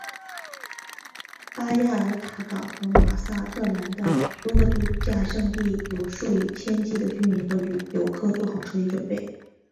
巴亚尔塔港和马萨特兰的多个度假胜地有数以千计的居民和游客做好撤离准备。